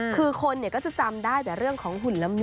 คือคนก็จะจำได้แต่เรื่องของหุ่นละมุน